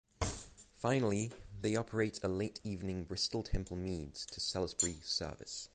Finally, they operate a late evening Bristol Temple Meads to Salisbury service.